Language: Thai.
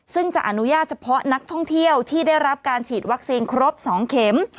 ซึ่งจะอนุญาตเฉพาะนักท่องเที่ยวที่ได้รับการฉีดวัคซีนครบ๒เข็ม